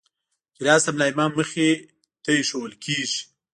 ګیلاس د ملا امام مخې ته ایښوول کېږي.